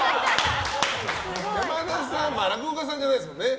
山田さん落語家さんじゃないですもんね。